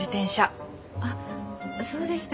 あそうでしたか。